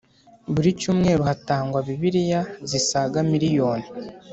Buri cyumweru hatangwa Bibiliya zisaga miriyoni